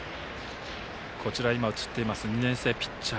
２年生ピッチャー